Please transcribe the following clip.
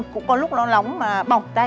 cũng có lúc nó nóng mà bỏ tay